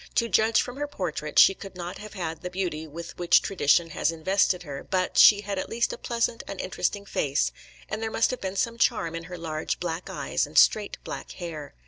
To judge from her portrait she could not have had the beauty with which tradition has invested her, but she had at least a pleasant and interesting face, and there must have been some charm in her large black eyes and straight black hair.